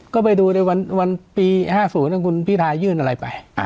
ก็ไปดูในวันปี๕๐คุณพิทายื่นอะไรไป